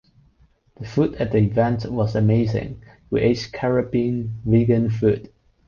The food at the event was amazing, we ate Caribbean vegan food.